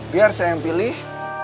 biar saya yang pilih